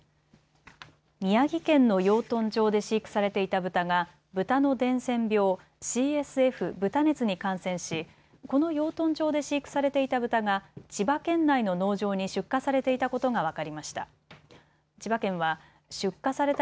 宮城県の養豚場で飼育されていたブタが豚の伝染病ＣＳＦ・豚熱に感染し、この養豚場で飼育されていたブタが千葉県内の農場に出荷されていたことが分かりました。